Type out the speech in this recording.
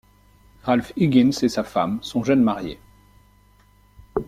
Ralph Higgins et sa femme sont jeunes mariés.